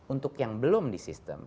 untuk yang belum di sistem